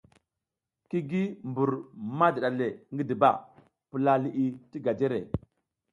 Ki gi mbur madiɗa le ngidiba, pula liʼi ti gajere.